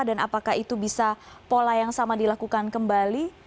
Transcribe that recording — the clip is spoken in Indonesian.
dan apakah itu bisa pola yang sama dilakukan kembali